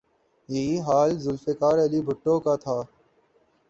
یہی حال ذوالفقار علی بھٹو کا تھا۔